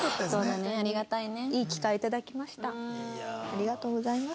ありがとうございます。